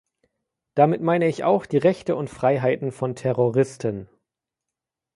Damit meine ich auch die Rechte und Freiheiten von Terroristen.